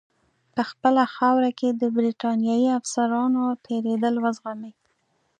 په خپله خاوره کې د برټانیې افسرانو تېرېدل وزغمي.